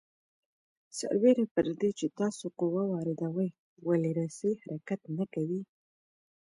سربېره پر دې چې تاسو قوه واردوئ ولې رسۍ حرکت نه کوي؟